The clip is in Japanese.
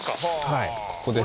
はいここです。